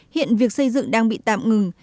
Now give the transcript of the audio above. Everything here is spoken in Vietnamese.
hiện việc xây dựng đang bị tạm ngừng